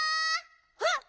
あっ！